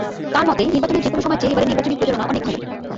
তাঁর মতে, আগের যেকোনো সময়ের চেয়ে এবারের নির্বাচনী প্রচারণা অনেক ভালো।